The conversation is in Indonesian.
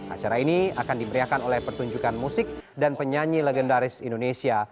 acara ini akan diberiakan oleh pertunjukan musik dan penyanyi legendaris indonesia